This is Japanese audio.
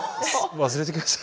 忘れてきました。